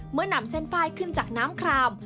เมื่อนำเส้นไฟขึ้นจากน้ำคลาม